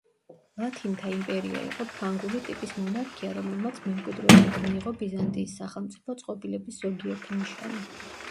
ლათინთა იმპერია იყო ფრანგული ტიპის მონარქია, რომელმაც მემკვიდრეობით მიიღო ბიზანტიის სახელმწიფო წყობილების ზოგიერთი ნიშანი.